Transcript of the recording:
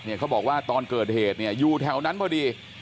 เขาบอกว่าตอนเกิดเหตุเนี่ยอยู่แถวนั้นพอดี